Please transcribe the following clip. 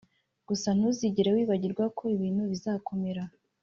gusa ntuzigere wibagirwa ko ibintu bizakomera